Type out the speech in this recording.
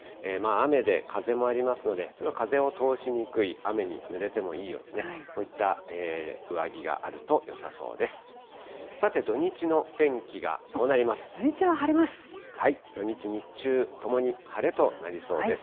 雨で風もありますので、ちょっと風を通しにくい、雨にぬれてもいいように、そういった上着があるとよさそうです。